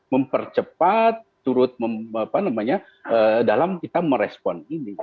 mempercepat turut dalam kita merespon ini